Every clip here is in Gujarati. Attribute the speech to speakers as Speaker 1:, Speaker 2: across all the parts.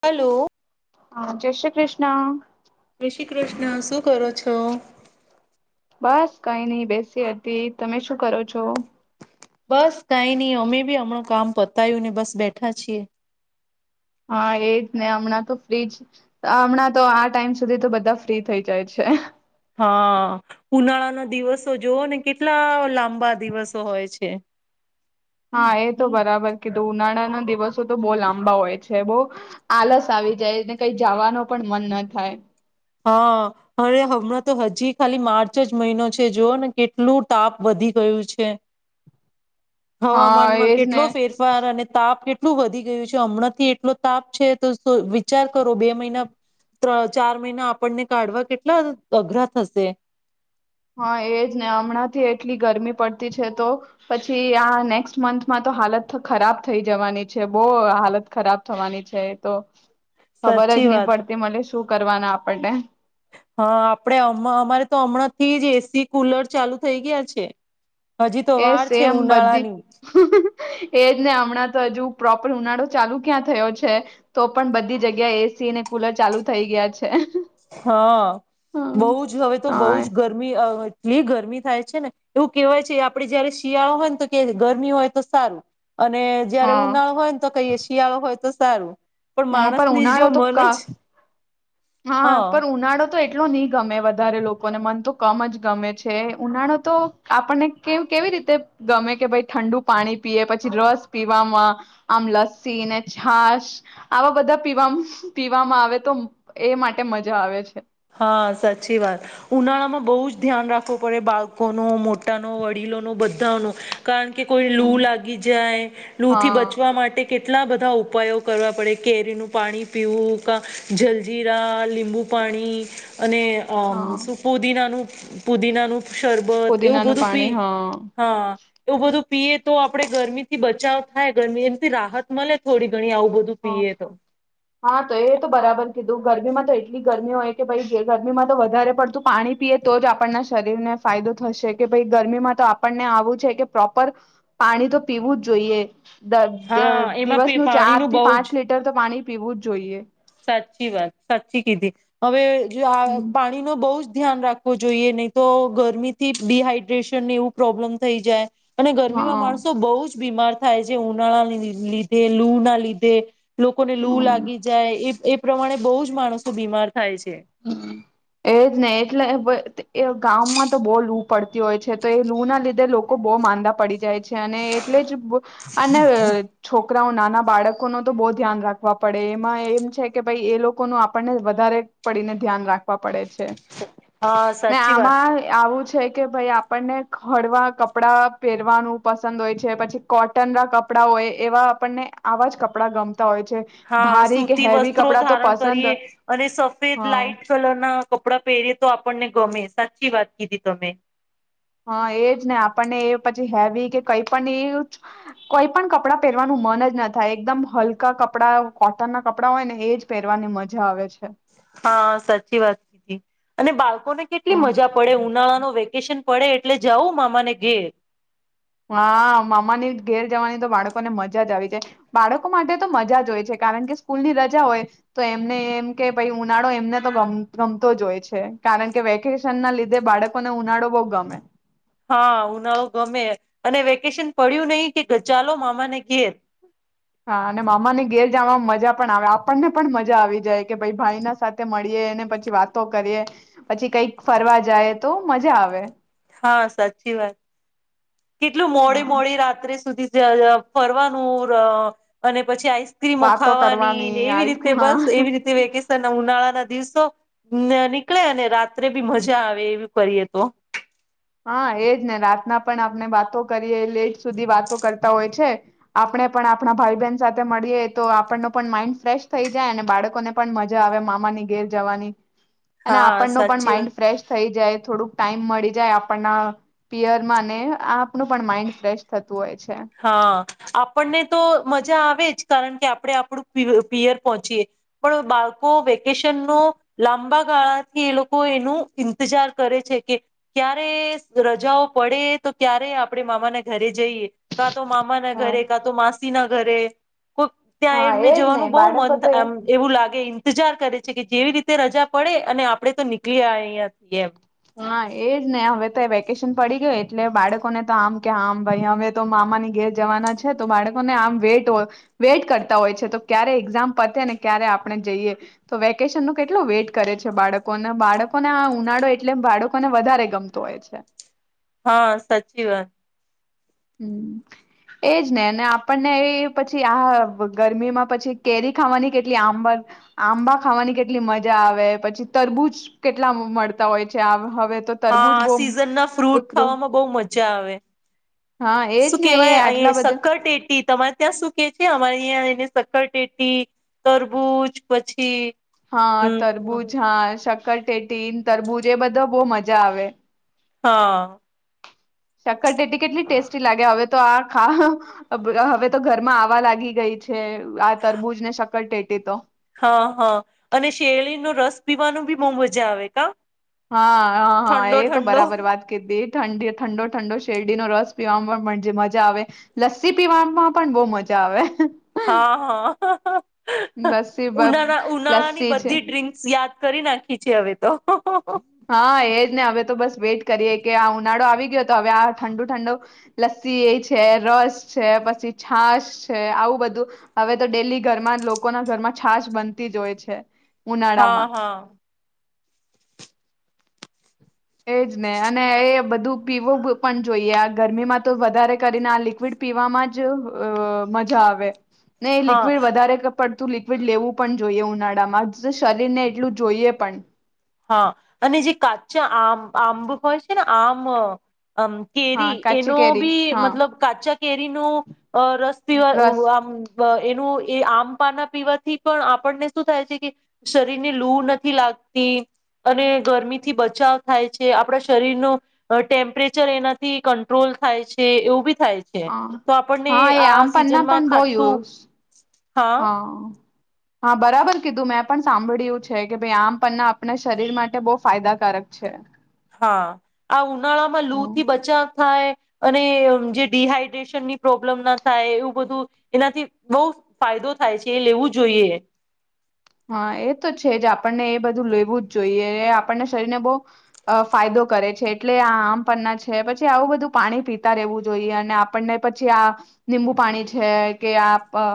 Speaker 1: હલો.
Speaker 2: હા જય શ્રી કૃષ્ણ.
Speaker 1: જય શ્રી કૃષ્ણ. શું કરો છો?
Speaker 2: બસ કઈ નઈ બેસી હતી. તમે શું કરો છો?
Speaker 1: બસ કાંઈ નહી અમે બી હમણું કામ પતાયું ને બસ બેઠા છીએ.
Speaker 2: હા એજ ને હમણાં તો ફ્રીજ હમણાં તો આ ટાઈમ સુધી તો બધા ફ્રી થઈ જાય છે.
Speaker 1: હા ઉનાળાના દિવસો જોવો ને કેટલા લાંબા દિવસો હોય છે.
Speaker 2: હા એ તો બરાબર કીધું ઉનાળાના દિવસો તો બહુ લાંબા હોય છે. બહુ આલસ આવી જાય ને કઈ જાવાનો પણ મન ન થાય.
Speaker 1: હ અરે હમણાં તો હજી ખાલી માર્ચ જ મહિનો છે જોવો ને કેટલું તાપ વધી ગયું છે.
Speaker 2: હા
Speaker 1: હવામાનમાં
Speaker 2: એજ ને
Speaker 1: કેટલો ફેરફાર અને તાપ કેટ કેટલું વધી ગયું છે. હમણાં થી એટલો તાપ છે તો વિચાર કરો બે મહિના ત્ર ચાર મહિના આપણને કાઢવા કેટલા અઘરા થશે.
Speaker 2: હા એજ ને હમણાંથી એટલી ગરમી પડતી છે તો પછી આ નેક્સ્ટ મંથમાં તો હાલત ખરાબ થઈ જવાની છે બહુ હાલત ખરાબ થવાની છે. તો ખબર જ
Speaker 1: સાચી
Speaker 2: નહી
Speaker 1: વાત
Speaker 2: પડતી મને શું કરવાના આપણને.
Speaker 1: હ આપણે અમ અમારે તો હમણાંથી જ એ સી, કુલર ચાલુ થઈ ગયા છે. હજી તો
Speaker 2: એ
Speaker 1: વાર છે
Speaker 2: સેમ બધી
Speaker 1: ઉનાળાની
Speaker 2: [unintelligible] એજ ને હમણાં તો હજુ પ્રોપર ઉનાળો ચાલુ ક્યાં થયો છે. તો પણ બધી જગ્યાએ એ સી અને કુલર ચાલુ થઈ ગયા છે.
Speaker 1: હ
Speaker 2: હમ.
Speaker 1: બહુ જ હવે તો બહુ
Speaker 2: હા
Speaker 1: જ ગરમી અ જે ગરમી થાય છે ને એવું કહેવાય છે આપણે જયારે શિયાળો હોય ને તો કે ગરમી હોય તો સારું. અને જયારે
Speaker 2: હા
Speaker 1: ઉનાળો હોય ને તો કહીએે શિયાળો હોય તો સારું. પણ
Speaker 2: હા
Speaker 1: માણસની જો
Speaker 2: ઉનાળો તો
Speaker 1: મન
Speaker 2: ક
Speaker 1: જ
Speaker 2: હા પર ઉનાળો તો એટલો નહીં ગમે વધારે લોકોને મન તો કમ જ ગમે છે. ઉનાળો તો આપણને કેવ કેવી રીતે ગમે કે ભાઈ ઠંડુ પાણી પીએ, પછી રસ પીવામાં, આમ લસ્સી ને છાસ આવા બધાં પીવામ પીવામાં આવે તો એ માટે મજા આવે છે.
Speaker 1: હા સાચી વાત ઉનાળામાં બહુ જ ધ્યાન રાખવું પડે બાળકોનો, મોટાનો, વડીલોનો બધાનુ. કારણ કે કોઈ
Speaker 2: હમ
Speaker 1: લૂ લાગી જાય લૂથી બચવા
Speaker 2: હા
Speaker 1: માટે કે ટલા બધાં ઉપાયો કરવા પડે કેરીનું પાણી પીવું કા જલજીરા, લીંબુ પાણી [inaudible] અને આ
Speaker 2: હા.
Speaker 1: સુ પૂદીનાનું પુદીનાનું શરબત એવું
Speaker 2: પુદીનાનું
Speaker 1: બધું પી
Speaker 2: પાણી હા.
Speaker 1: હા એવું બધું પીએ તો આપડે ગરમી થી બચાવ થાય ગરમી એમથી રાહત મળે થોડી. ઘણી આવું બધું
Speaker 2: હ
Speaker 1: પીએ તો
Speaker 2: હા તો એ તો બરાબર. કીધું ગરમીમાં તો એટલી ગરમી હોય કે ભાઈ જે ગરમીમાં તો વધારે પડતું પાણી પીએ તો જ આપણના શરીરને ફાયદો થશે કે ભાઈ ગરમીમાં તો આપણને આવું છે કે પ્રોપર પાણી તો પીવું જ જોઈએ. દ
Speaker 1: હા એમાં
Speaker 2: દિવસ
Speaker 1: પે
Speaker 2: નું
Speaker 1: પાણીનું
Speaker 2: ચારથી
Speaker 1: બહુ
Speaker 2: પાંચ
Speaker 1: જ
Speaker 2: લીટર તો પાણી પીવું જ જોઈએ.
Speaker 1: સાચી વાત સાચી કીધી હવે જો આ
Speaker 2: હમ
Speaker 1: પાણી ન બહુ જ ધ્યાન રાખવું જોઈએ નહી તો ગરમીથી ડીહાઈડ્રેશનને એવું પ્રોબ્લેમ થઈ જાય. અને ગરમીમાં
Speaker 2: હા
Speaker 1: માણસો બહુ જ બીમાર થાય છે ઉનાળા લીધે લૂ ના લીધે. લોકોને લૂ
Speaker 2: હમ.
Speaker 1: લાગી જાય એ પ્રમાણે બહુ જ માણસોધ બીમાર થાય છે
Speaker 2: એજ નહ એટલે એ ગામમાં તો બહુ લુ પડતી હોય છે તો એ લૂ ના લીધે લોકો બહુ માંદા પડી જાય છે. અને એટલે જ અને છોક છોકરાઓ નાના બાળકો ન તો બહુ ધ્યાન રાખવા પડે એમાં એમ છે કે ભાઈ એ લોકોનું આપણને વધારે પડીને ધ્યાન રાખ વા પડે છે.
Speaker 1: હા
Speaker 2: ને
Speaker 1: સાચી વાત
Speaker 2: આમાં આવું છે. છે કે ભાઈ આપણને હળવા કપડાં પહેરવાનું પસંદ હોય છે. પછી કોટનના કપડાં હોય એવા આપણને આવા જ કપડાં ગમ તા હોય છે
Speaker 1: હા
Speaker 2: ભારી કે
Speaker 1: સૂતી
Speaker 2: હેવી કપડા તો પસંદ
Speaker 1: ફર
Speaker 2: હ
Speaker 1: લાઈઇટ કલર ના હા કપડાં પહેરી તો આપણને ગમે સાચી વાત કીધી તમે.
Speaker 2: હા એજ ને આપણને એ પછી હેવી કે કઈ પણ એ કોઈ પણ કપડાં પહેરવાનું મન જ ન થાય એકદમ હલકા કપડાં કોટન ના કપડાં હોય ને એ જ પહેરવાની મજા આવે છે.
Speaker 1: હા સાચી વાત કી અને બાળકો ને કેટલી
Speaker 2: હમ
Speaker 1: મજા પડે ઉનાળાનો વેકેશન પડે એટલે જઉં મામાને ઘેર.
Speaker 2: હા મામાની ઘેર જવાની તો બાળકોને મજા જ આવી જાય બાળકો માટે તો મજા જ હોય છે કારણ કે સ્કૂલ ની રજા હોય તો એમને એમ કે ભ ઉનાળો એમને તો ગમતો જ હોય છે કારણ કે વેકેશન ના લીધે બાળકોને ઉનાળો બહ ગમે.
Speaker 1: હા ઉનાળો ગમે અને વેકેશન પડ્યું નહી કે ચાલો મામાને ઘેર.
Speaker 2: હા અને મામાને ઘેર જવાવામાં મજા પણ આવે આપણને પણ મજા આવી જાય કે ભાઈ ભાઈ ના સાથે મળીએ અનેને પછી વાતો કરીએ પછી કઈક ફરવા જાય તો મજા આવે.
Speaker 1: હા સાચી વાત. કેટલું મોડે
Speaker 2: હા
Speaker 1: મોડી રાત્રે સુધી જય ફરવાનું ર અને પછી આઈસ સ્ક્રીમો
Speaker 2: વાતો
Speaker 1: ખાવાની
Speaker 2: કરવાની
Speaker 1: ને એવી રીતે
Speaker 2: આઈસ્ક્રીમ હા
Speaker 1: બસ એવી રીતે વેકેશન ના ઉનાળા ના દિવસો ને નીકળે અને રાત્રે બી મજા આવે એવી ફરીએ તો.
Speaker 2: હા એજ ને રાતના પણ આપણે વાતો કરીએ, લેટ સુધી વાતો કરતા હોય છે. આપણે પણ આપણા ભાઈ બહેન સાથે મળીએ તો આપણનો પણ માઈન્ડ ફ્રેશ થઈ જાય અને બાળકોને પણ મજા આવે મામાની ઘેર જવાની. અને
Speaker 1: હા
Speaker 2: આપણનો પણ
Speaker 1: સાચી વાત
Speaker 2: માઈન્ડ ફ્રેશ થઈ જાય. થોડુંક ટાઈમ મળી જાય. પના પિયર માં ને આપણુ પણ માઇન્ડ ફ્રેશ થત
Speaker 1: હા આપણને તો મજા આવ વેજ કારણ કે આપણે આપણું [unintelligible] પિયર પહોંચીએ પણ બાળકો વેકેશન નો લાંબા ગાળાથી એ લોકો એનું ઈંતજાર કરે છે, કે ક્યારે રજાઓ પડે તો ક્યારે આપણે મામાના ઘરે જઈએ. કાં તો મામા ના
Speaker 2: હા
Speaker 1: ઘરે, કાં તો માસ સીના ઘરે. કોઈ ત્યાં
Speaker 2: હા
Speaker 1: એમને
Speaker 2: એજ ને
Speaker 1: જવાનું બહુ મન
Speaker 2: બાળકો તો
Speaker 1: થાય
Speaker 2: એ
Speaker 1: એમ એવું લાગે ઇંતજાર કરે. છે કે જેવી રીતે રજા પડે અને આપડે તો નીકળી અહીંયા એમ.
Speaker 2: હા એજ ને હવે તો વેકેશન પડી ગયું એટલે બાળકોને તો આમ કે આમ ભાઈ હવે તો મામાની ઘેર જવાના છે. તો બાળકોને આમ વેટ વેઇટ કરતા હોય છે તો ક્યારે એક્ઝામ પતે ને ક્યારે આપણે જઈએ. તો વેકેશન ન કેટલું વેઇટ કરે છે બાળકોને બાળકોને આ ઉનાળો એટ લે બાળકોને વધારે ગમતો હોય છે.
Speaker 1: હા સાચી વાત.
Speaker 2: હમ્મ એજ ને આપણને એ પછી આ ગરમીમાં પછી કેરી ખાવાની કેટલી આંબા આંબા ખાવાની કેટલી મજા આવે પછી તરબૂજ કેટલા મળતા હોય છે. હવે તો તરબૂજ
Speaker 1: હા સિઝન ના ફ્રૂટ
Speaker 2: બહુ
Speaker 1: ખાવામાં બઉ મજા આવે.
Speaker 2: હા એજ
Speaker 1: શું
Speaker 2: ને એ
Speaker 1: કેવાય અઇયા
Speaker 2: આટલા બધા
Speaker 1: સક્કર ટેટી તમારે ત્યાં શું કે છે? અમારે અઇયા એને સકરટેટી, તરબૂજ પછી
Speaker 2: હા
Speaker 1: હમ
Speaker 2: તરબુજ, હા શક કરટેટીન, તરબૂજ એ બધા બઉ મજા આવે.
Speaker 1: હા.
Speaker 2: સક કરટેટી કેટલી ટેસ્ટી લાગે હવે તો આ હવે તો ઘરમાં આવા લાગી ગઈ છે આ તરબૂજ ને શક્કર ટેટી તો.
Speaker 1: હા હા અને શેડીનો રસ પીવાનું બી બઉ મજા આવે કા?
Speaker 2: હા, હા, હા
Speaker 1: ઠંડો
Speaker 2: એ તો
Speaker 1: ઠંડો
Speaker 2: બરાબર વાત કીધી. ઠં ઠંડો ઠંડો શેરડીનો રસ પીવામાં જે મજા આવે, લસ્સી પીવામાં પણ બહુ મજા આવે.
Speaker 1: હા હા
Speaker 2: લસ્સી
Speaker 1: ઉનાળા
Speaker 2: બ-
Speaker 1: ઉનાળા ની
Speaker 2: લસ્સી છે
Speaker 1: બધી ડ્રિંકસ યાદ કરી નાખી છે હવે તો.
Speaker 2: હા એજ ને હવે તો બસ વેઇટ કરીએ કે આ ઉનાળો આવી ગયો તો હવે આ ઠંડુ ઠંડુ લસ્સી એ છે, રસ છે, પછી છાશ છે, આવું બધું હવે તો ડેલી ઘરમાં લોકોના ઘરમાં છાશ બનતી જ હોય છે.
Speaker 1: હા
Speaker 2: ઉનાળામાં
Speaker 1: હા.
Speaker 2: એજ ને અને એ બધું પીવું પણ જોઈએ આ ગરમીમાં તો વધારે કરીને આ લિક્વિડ પીવામાં જ અ મજા આવે. નહી
Speaker 1: હા
Speaker 2: લિક્વિડ વધારે પડતું લિક્વિડ લેવું પણ જોઈએ ઉનાળામાં શરીર ને એટલું જોઈએ પણ
Speaker 1: હા અને જે કાચા આમ આંબ હોય છે ને આમ અમ
Speaker 2: હા
Speaker 1: કેરી
Speaker 2: કાચી
Speaker 1: એનો
Speaker 2: કેરી
Speaker 1: બી
Speaker 2: હા
Speaker 1: મતલબ કાચા કેરી ન અ રસ પવા
Speaker 2: રસ
Speaker 1: આમ બ એનું એ આમ પાના પીવાથી પણ આપણને શું થાય છે કે શરીર ને લૂ નથી લાગતી. અને ગરમીથી બચાવ થાય છે આપણા શરીર ન ટેમ્પરેચર એનાથી કંટ્રોલ થાય છે એવું બી થાય છે
Speaker 2: હા
Speaker 1: તો આપણને
Speaker 2: હા એ
Speaker 1: આ
Speaker 2: આમ પણના
Speaker 1: સિઝનમાં
Speaker 2: પણ બહ યુ
Speaker 1: ખાટું
Speaker 2: હા. હા બરાબર કીધું મેં પણ સાંભળ્યું છે કે ભાઈ આમ પણના આપણે શરીર માટે બહુ ફાયદાકારક છે.
Speaker 1: હા આ ઉનાળામાં લૂ
Speaker 2: હમ
Speaker 1: થી બચાવ થાય. અને જે ડીહાઈડ્રેશનની પ્રોબ્લેમ ના થાય એવું બધું એનાથી બહુ ફાયદો થાય છે એ લેવું જોઈએ.
Speaker 2: હા એ તો છે જ આપણને એ બધું લેવું જ જોઈએ એ આપણને શરીરને બહ ફાયદો કરે છે એટલે આ આમ પરના છે પછી આવું બધું પાણી પીતા રહેેવું જોઈએ અને આપણને પછી આ લીંબુ પાણી છે કે આ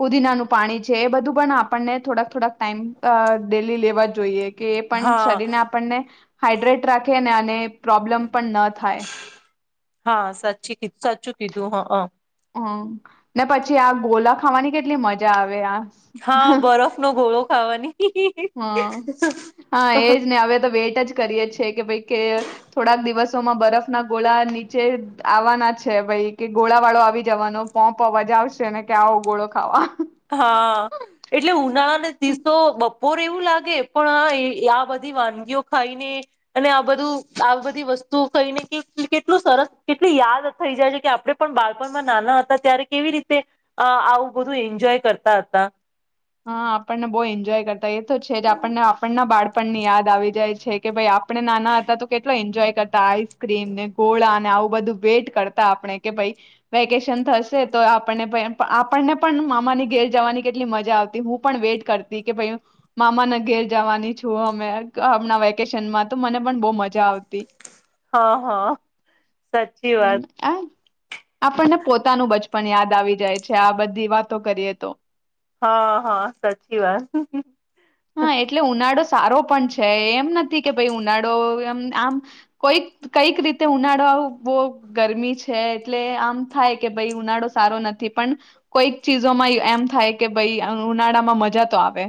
Speaker 2: પુદીનાનું પાણી છે એ બધું પણ આપણને થોડાક થોડાક ટાઈમ ડેલી લેવા જોઈએ. કે એ પણ
Speaker 1: હા
Speaker 2: શરીર ને આપણને હાઇડ્રેટ રાખે અને ને પ્રોબ્લેમ પણ ન થાય.
Speaker 1: હા સાચ
Speaker 2: હમ્મ ને પછી આ ગોલા ખાવાની કેટલી મજા આવે આ.
Speaker 1: હા બરફ નો ઘોળો. ખાવાની.
Speaker 2: હા હા એજ ને હવે તો વેટ જ કરીએ છે કે ભાઈ કે થોડાક દિવસોમાં બરફ ના ગોળા નીચે આવવાના છે ભાઈ કે ગોળા વાળો આવી જવાનો પોંપ અવાજ આવશે ને કે આવો ગોળો ખાવા.
Speaker 1: હા એટલે ઉનાળાને દિસો બપોર એવું લાગે પણ આ બધી વાનગીઓ ખાઈને અને આ બધું આ બધી વસ્તુઓ ખાઈને કેટલું સરસ કેટલી યાદ થઈ જાય છે કે આપડણે પણ બાળપણમાં નાના હતા ત્યારે કેવી રીતે આવું બધું એન જોય કરતા હતા.
Speaker 2: હા આપણને બહુ એન્જોય કરતા એ તો છે જ આપણને આપણના બાળકો આપણને યાદ આવી જાય છે કે ભાઈ આપણે નાના હતા તો કેટલો એન્જોય કરતા આવી ક્રીમ ને ગોળા ને આવ બધુ વેટ કરતા આપણે કે ભઈ વેકેશન થશે તો આપણ આપણને પણ મામાની ઘેર જવાની કેટલી મજા આવતી હું પણ વેટ કરતી કે ભઈ મામાના ઘેર જવાની છું અમે હમણા વેકેશનમાં તો મને પણ બહ મજા આવતી
Speaker 1: હા હા સાચી
Speaker 2: હમ્મ
Speaker 1: વાત
Speaker 2: આ આપણને પોતાનું બચપન યાદ આવી જાય છે આ બધી વાતો કરીએ તો
Speaker 1: હા હા સાચી વાત
Speaker 2: હા એટલે ઉનાળો સારો પણ છે એમ નથી કે ભાઈ ઉનાળો એમ આમ કોઈક કઈક રીતે ઉનાળો આવું બો ગરમી છે એટલે આમ થાય કે ભાઈ ઉનાળો સારો નથી પણ કોઈક ચીજોમાં એમ થાય કે ભાઈ ઉનાળામાં મજા તો આવે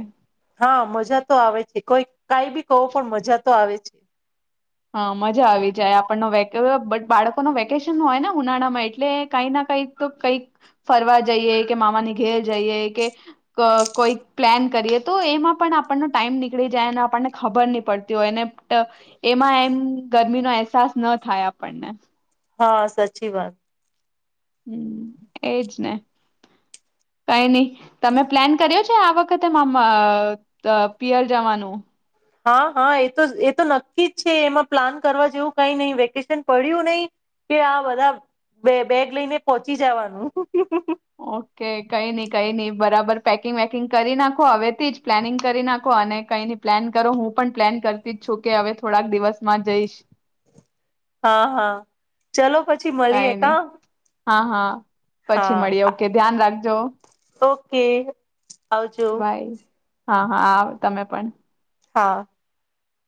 Speaker 1: હા મજા તો આવે છે કોઈ કઈ બી કો પણ મજા તો આવે છે
Speaker 2: હા મજા આવી જાય આપણનો વે બટ બાળકો નો વેકેશન હોય ને ઉનાળા માં એટલે કઈક ના કઈક તો કંઈક ફરવા જઈએ કે મામાની ઘેર જઈએ કે કોઈક પ્લાન કરીએ તો એમાં પણ આપણનો ટાઈમ નીકળી જાય અને આપણને ખબર નહી પડતી હોય ને એમાં એમ ગરમીનો અહેસાસ ન થાય આપણને
Speaker 1: હા સાચી વાત
Speaker 2: હમ્મ એજ ને કઈ નહી તમે પ્લાન કર્યો છે આ વખતે મામા પિયર જવાનું
Speaker 1: હા હા એ તો એ તો નક્કી જ છે એમાં પ્લાન કરવા જેવું કઈ નહી વેકેશન પડ્યું નહીિ કે આ બધા બેગ લઈને પહોંચી જવાનું
Speaker 2: ઓકે કઈ નહી કઈ નહી બરાબર પેકિંગ વેકિંગ કરી નાખો હવેથી જ પ્લાનિંગ કરી નાખો અને કઈ ન પ્લાન કરો હું પણ પ્લેન કરતી જ છું કે હવે થોડાક દિવસમાં જઈશ
Speaker 1: હા હા ચલો પછી
Speaker 2: કઈ
Speaker 1: મળીએે
Speaker 2: નઈ
Speaker 1: કા
Speaker 2: હા હા પછી મળીએ
Speaker 1: હા
Speaker 2: ઓકે ધ્યાન રાખજો
Speaker 1: કે આવજો
Speaker 2: બાય હા હા તમે પણ
Speaker 1: હા